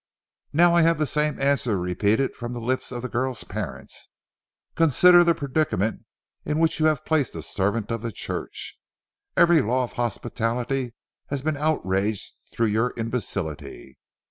Now I have the same answer repeated from the lips of the girl's parents. Consider the predicament in which you have placed a servant of the Church. Every law of hospitality has been outraged through your imbecility.